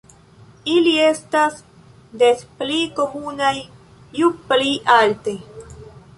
Ili estas des pli komunaj ju pli alte.